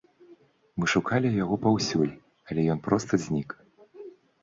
Мы шукалі яго паўсюль, але ён проста знік.